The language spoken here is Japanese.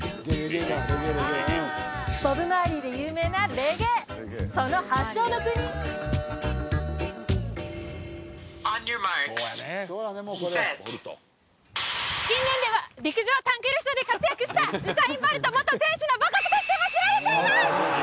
ボブ・マーリーで有名なレゲエその発祥の国近年では陸上短距離走で活躍したウサイン・ボルト元選手の母国としても知られています